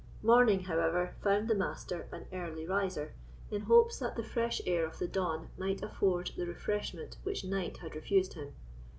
Morning, however, found the Master an early riser, in hopes that the fresh air of the dawn might afford the refreshment which night had refused him.